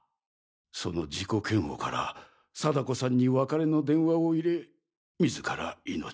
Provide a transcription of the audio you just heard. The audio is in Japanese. その自己嫌悪から貞子さんに別れの電話を入れ自ら命を。